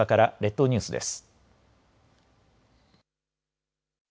列島ニュースです。